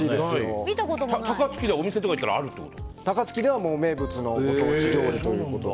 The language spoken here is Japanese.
高槻ではお店とか行ったら高槻では名物のご当地料理で。